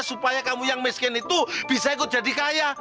supaya kamu yang miskin itu bisa ikut jadi kaya